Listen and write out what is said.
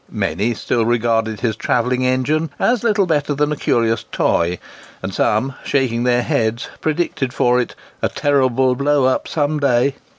Many still regarded his travelling engine as little better than a curious toy; and some, shaking their heads, predicted for it "a terrible blow up some day."